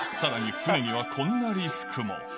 船にはこんなリスクも。